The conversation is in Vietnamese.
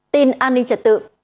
tin an ninh trật tự